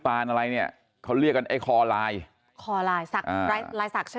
ปานอะไรเนี่ยเขาเรียกกันไอ้คอลายคอลายสักลายสักใช่